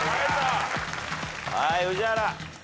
はい宇治原。